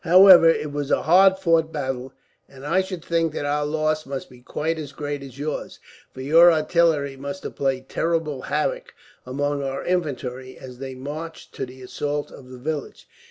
"However, it was a hard fought battle, and I should think that our loss must be quite as great as yours; for your artillery must have played terrible havoc among our infantry, as they marched to the assault of the village."